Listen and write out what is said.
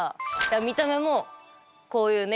見た目もこういうね